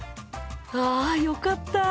あよかった！